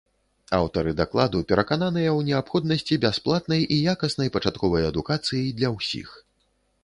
Аўтары дакладу перакананыя ў неабходнасці бясплатнай і якаснай пачатковай адукацыі для ўсіх.